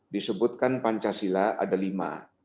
disebutkan pancasila ada lima